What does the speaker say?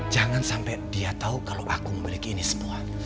jangan sampai dia tahu kalau aku memiliki ini semua